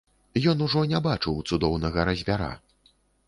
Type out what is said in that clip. Ён ужо не бачыў цудоўнага разьбяра.